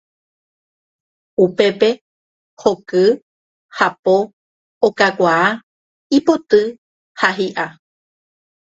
Upépe hoky, hapo, okakuaa, ipoty ha hi'a.